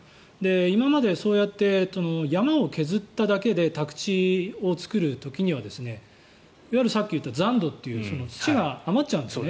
今までそうやって山を削っただけで宅地を作る時にはさっき言った残土という土が余っちゃうんですね。